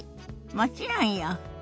もちろんよ。